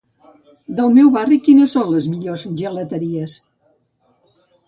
Del meu barri quines són les millors gelateries?